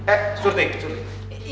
eh surti surti